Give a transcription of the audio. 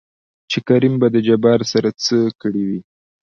چې کريم به د جبار سره څه کړې وي؟